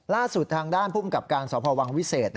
ล่าสุดทางด้านภูมิกับการสพวังวิเศษ